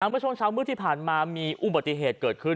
ทางประชวนเช้าเมื่อที่ผ่านมามีอุบัติเหตุเกิดขึ้น